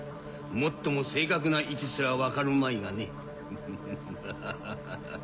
もっとも正確な位置すら分かるまいがねハハハ。